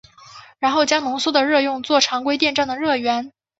然后将浓缩的热用作常规电站的热源。